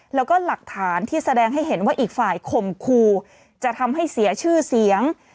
แล้วก็หลักฐานที่แสดงให้เห็นว่าอีกฝ่ายข่มขู่จะทำให้เสียชื่อเสียง